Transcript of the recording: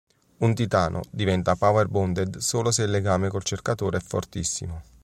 Un Titano diventa "Power-bonded" solo se il legame col Cercatore è fortissimo.